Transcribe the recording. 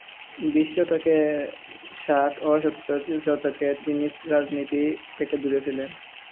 বিশ শতকের ষাট ও সত্তরের দশকে তিনি রাজনীতি থেকে দূরে ছিলেন।